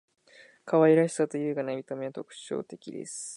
可愛らしさと優雅な見た目は特徴的です．